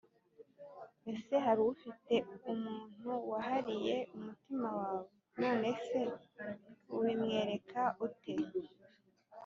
ese hari ufite umuntu wahariye umutima wawe? nonese ubimwereka ute?